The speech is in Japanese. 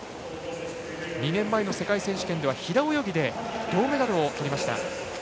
２年前の世界選手権では平泳ぎで銅メダルをとりました。